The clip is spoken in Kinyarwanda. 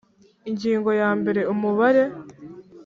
Ingingo ya mbere Umubare